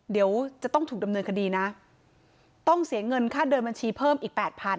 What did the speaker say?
เดี๋ยวจะต้องถูกดำเนินคดีนะต้องเสียเงินค่าเดินบัญชีเพิ่มอีกแปดพัน